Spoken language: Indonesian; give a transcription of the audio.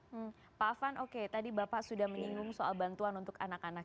hmm pak afan oke tadi bapak sudah menyinggung soal bantuan untuk anak anak